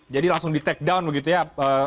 jadi langsung di take down begitu ya